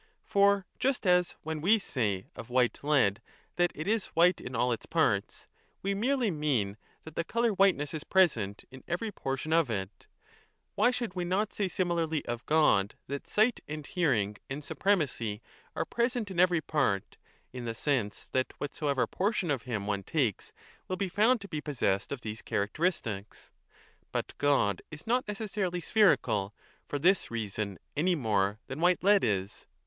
For just as when we say of white lead 10 that it is white in all its parts, we merely mean that the colour whiteness is present in every portion of it, why should we not say similarly of God that sight and hearing and supremacy are present in every part, in the sense that whatsoever portion of him one takes will be found to be possessed of these characteristics ? But God is not neces 15 sarily spherical for this reason any more than white lead is.